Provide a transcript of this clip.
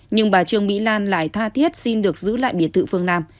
nhưng bà trương mỹ lan lại tha thiết xin được giữ lại biệt thự phương nam